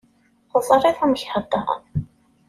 Teẓriḍ amek heddren.